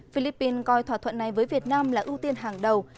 philippines coi thỏa thuận này với việt nam là ưu tiên hàng đầu